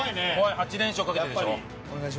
８連勝かけてでしょ？